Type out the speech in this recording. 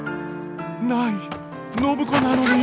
ない暢子なのに。